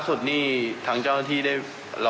ผมไม่เห็นได้เลย